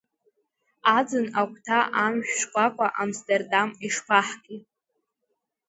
Аӡын агәҭа амшә шкәакәа Амстердам ишԥаҳки!